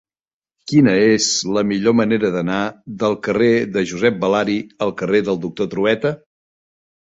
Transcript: Quina és la millor manera d'anar del carrer de Josep Balari al carrer del Doctor Trueta?